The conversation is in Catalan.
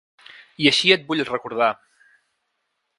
I així et vull recordar.